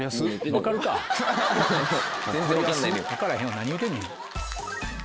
分からへんわ何言うてんねん。